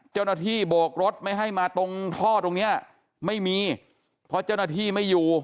เจ้าหน้าที่โบกรถไม่ให้มาตรงท่อตรงเนี้ยไม่มีเพราะเจ้าหน้าที่ไม่อยู่